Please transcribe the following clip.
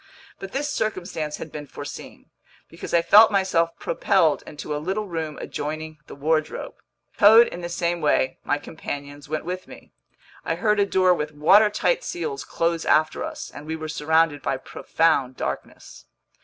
But this circumstance had been foreseen, because I felt myself propelled into a little room adjoining the wardrobe. Towed in the same way, my companions went with me. I heard a door with watertight seals close after us, and we were surrounded by profound darkness.